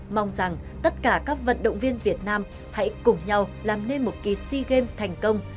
mong rằng tất cả các vận động viên việt nam hãy cùng nhau làm nên một kỳ sea games thành công